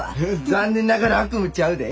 残念ながら悪夢ちゃうで。